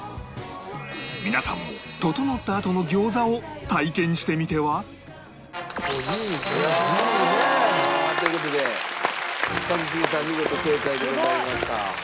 皆さんも整ったあとの餃子を体験してみては？いいね！いいね！という事で一茂さん見事正解でございました。